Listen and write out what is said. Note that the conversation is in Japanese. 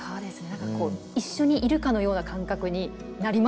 何か一緒にいるかのような感覚になりますよね。